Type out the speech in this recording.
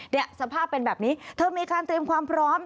สภาพเป็นแบบนี้เธอมีการเตรียมความพร้อม